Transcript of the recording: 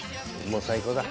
もう最高だ。